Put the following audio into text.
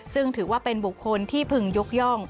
ซึ่งถือว่าเป็นบุคคลที่พึงยกย่อง